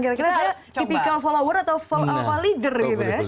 kira kira saya tipikal follower atau follow up leader gitu ya